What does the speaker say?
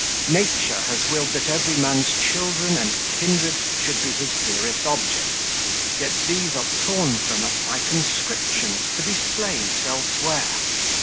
31 "Nature has willed that every man's children and kindred should be his dearest objects. Yet these are torn from us by conscriptions to be slaves elsewhere.